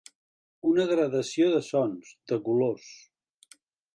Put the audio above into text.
Una gradació de sons, de colors.